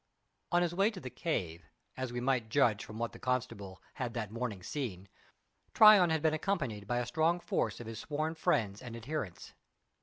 On his way to the cave, as we might judge from what the constable had that morning seen, Tryon had been accompanied by a strong force of his sworn friends and adherents.